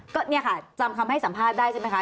ก็เนี่ยค่ะจำคำให้สัมภาษณ์ได้ใช่ไหมคะ